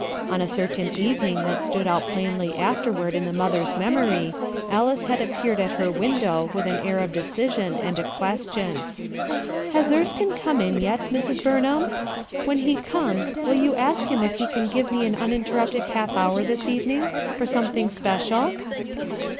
On a certain evening that stood out plainly afterward in the mother's memory Alice had appeared at her window with an air of decision, and a question. "Has Erekine come in yet, Mrs. Bumham? When he comes, will you ask him if he can give me an uninterrupted half hour thin evening for something special?"